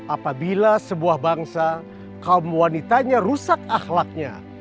apabila sebuah bangsa kaum wanitanya rusak akhlaknya